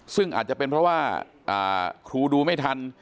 ซึ่งอาจจะเป็นเพราะว่าครูดูไม่ทัน